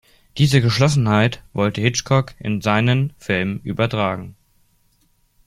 Diese Geschlossenheit wollte Hitchcock in seinen Film übertragen.